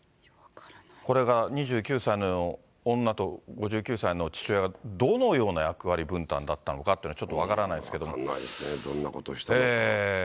これが２９歳の女と５９歳の父親が、どのような役割分担だったのかって、ちょっと分からないですけど分からないですね、どんなことをしたのか。